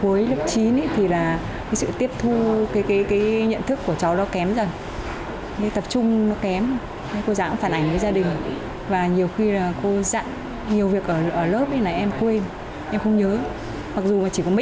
ở lớp cuối lớp chín thì là